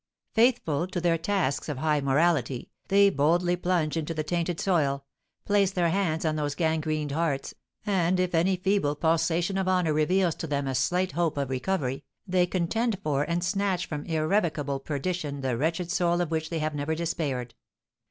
Faithful to their tasks of high morality, they boldly plunge into the tainted soil, place their hands on those gangrened hearts, and, if any feeble pulsation of honour reveals to them a slight hope of recovery, they contend for and snatch from irrevocable perdition the wretched soul of which they have never despaired.